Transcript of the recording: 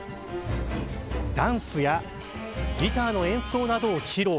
ダンスやギターの演奏などを披露。